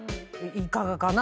いかがかな？